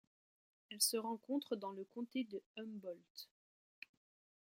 Elle se rencontre dans le comté de Humboldt.